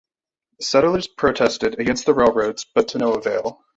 Settlers protested against the railroads, but to no avail.